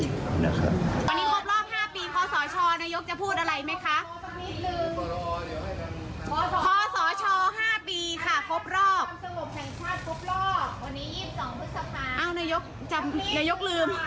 นิดหนึ่งค่ะนายก